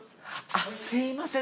すいません